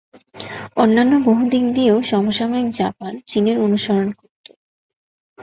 অন্যান্য বহু দিক দিয়েও সমসাময়িক জাপান চীনের অনুসরণ করত।